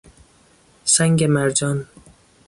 سنگ مرجان